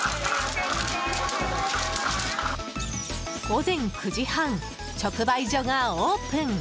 午前９時半直売所がオープン。